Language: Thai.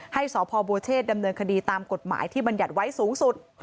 ให้สพบัวเชษดำเนินคดีตามกฎหมายที่บรรยัติไว้สูงสุด